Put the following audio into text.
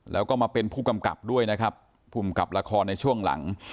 แล้วก็มาเป็นผู้กำกับด้วยนะครับภูมิกับละครในช่วงหลัง